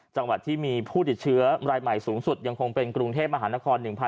จังหวัดที่มีผู้ติดเชื้อรายใหม่สูงสุดยังคงเป็นกรุงเทพมหานคร๑๕